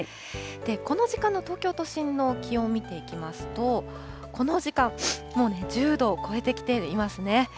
この時間の東京都心の気温見ていきますと、この時間、もうね、１０度を超えてきていますね。